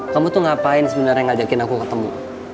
kamu tuh ngapain sebenarnya ngajakin aku ketemu